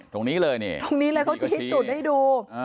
ตรงนี้เลยเขาจะที่จุดให้ดู